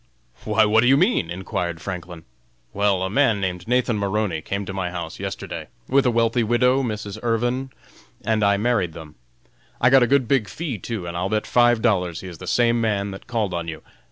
"Why, what do you mean?" inquired Franklin. "Well, a man named Nathan Maroney came to my office yesterday with a wealthy widow, Mrs. Irvin, and I married them. I got a good big fee, too, and I'll bet five dollars he is the same man that called on you.